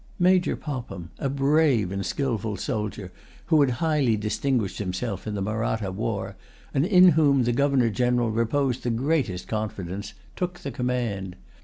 Major Popham, a brave and skilful soldier, who had highly distinguished himself in the Mahratta war, and in whom the Governor General reposed the greatest confidence, took the command.